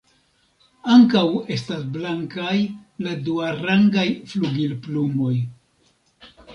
Ankaŭ estas blankaj la duarangaj flugilplumoj.